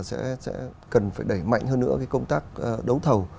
sẽ cần phải đẩy mạnh hơn nữa cái công tác đấu thầu